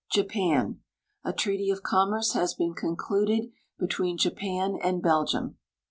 Japan. A treaty of commerce has been concluded between Japan and Belgium.